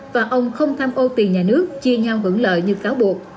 và ông không tham ô tiền nhà nước chia nhau hưởng lợi như cáo buộc